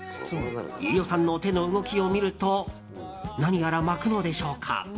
飯尾さんの手の動きを見ると何やら巻くのでしょうか。